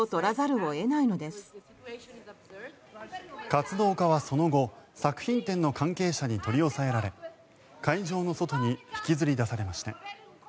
活動家はその後作品展の関係者に取り押さえられ会場の外に引きずり出されました。